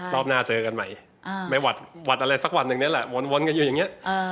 รอบหน้าเจอกันใหม่ไม่หวัดอะไรสักวันหนึ่งนี่แหละวนกันอยู่อย่างนี้